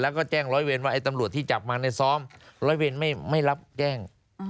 แล้วก็แจ้งร้อยเวรว่าไอ้ตำรวจที่จับมาในซ้อมร้อยเวรไม่รับแจ้ง